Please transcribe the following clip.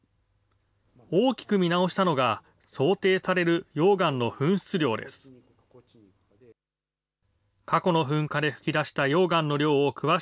大きく見直したのが想定される溶岩の噴出量です。